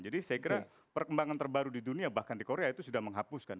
jadi saya kira perkembangan terbaru di dunia bahkan di korea itu sudah menghapuskan